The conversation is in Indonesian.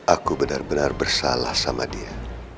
aku benar benar bersalah sama dia